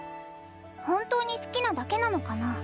本当に好きなだけなのかな。